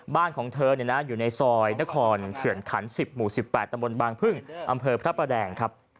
บ้านของเธออยู่ในซอยนครเขื่อนขัน๑๐หมู่๑๘ตะมนต์บางพึ่งอำเภอพระแดง